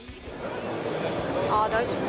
あ大丈夫。